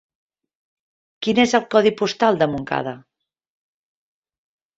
Quin és el codi postal de Montcada?